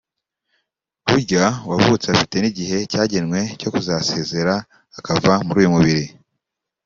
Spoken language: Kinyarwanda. Burya uwavutse afite n’igihe cyagenwe cyo kuzasezera akava muri uyu mubiri